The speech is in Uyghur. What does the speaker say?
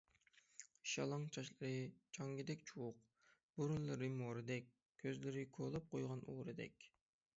شالاڭ چاچلىرى چاڭگىدەك چۇۋۇق، بۇرۇنلىرى مورىدەك، كۆزلىرى كولاپ قويغان ئورىدەك.